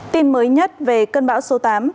tin mới nhất về cơn bão số tám